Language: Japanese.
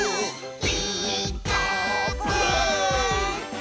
「ピーカーブ！」